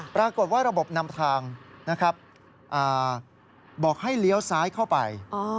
ปรากฏว่าระบบนำทางนะครับบอกให้เลี้ยวซ้ายเข้าไป